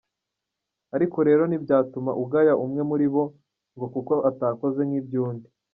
Ariko rero ntibyatuma ugaya umwe muri bo ngo kuko atakoze nk'iby'undi.